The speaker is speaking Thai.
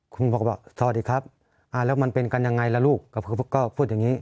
คุณพ่อก็บอกสวัสดีครับแล้วมันเป็นกันยังไงล่ะลูกก็พูดอย่างนี้